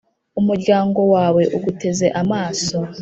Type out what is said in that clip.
Umuryango wawe uguteze amaso